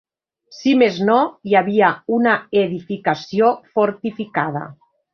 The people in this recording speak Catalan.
Si més no, hi havia una edificació fortificada.